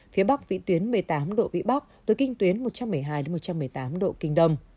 phía bắc vĩ tuyến một mươi tám độ vĩ bắc từ kinh tuyến một trăm một mươi hai một trăm một mươi tám độ kinh đông